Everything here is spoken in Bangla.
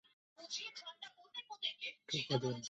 এখানে তার সমাধি মাকবারা-ই-তিমুর শাহ অবস্থিত।